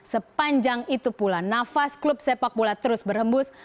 sepanjang itu pula nafas klub sepak bola terus berhembus